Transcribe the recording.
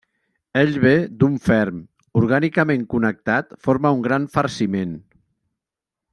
Ell ve d'un ferm, orgànicament connectat forma un gran farciment.